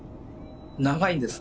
長いんです。